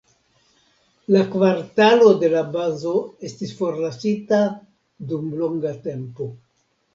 La kvartalo de la bazo estis forlasita dum longa tempo.